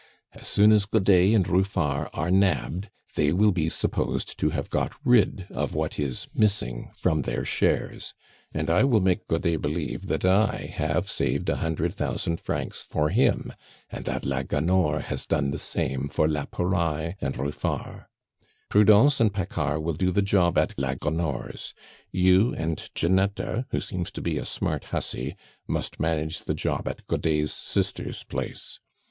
As soon as Godet and Ruffard are nabbed, they will be supposed to have got rid of what is missing from their shares. And I will make Godet believe that I have saved a hundred thousand francs for him, and that la Gonore has done the same for la Pouraille and Ruffard. "Prudence and Paccard will do the job at la Gonore's; you and Ginetta who seems to be a smart hussy must manage the job at Godet's sister's place.